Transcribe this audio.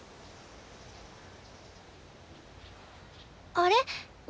あれ？